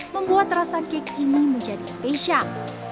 membuat rasa cake ini menjadi spesial